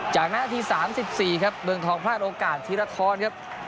จากหน้าที๓๔เบื้องท้องพลาดโอกาสทีละท้อน